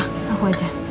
nggak apa apa aku aja